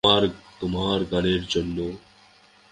তোমার গানের জন্য।